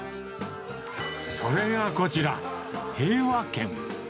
それがこちら、平和軒。